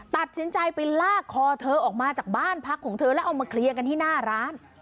ตัดสินใจไปลากคอเธอออกมาจากบ้านพักของเธอแล้วเอามาเคลียร์กันที่หน้าร้าน